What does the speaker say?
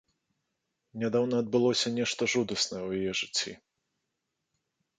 Нядаўна адбылося нешта жудаснае ў яе жыцці.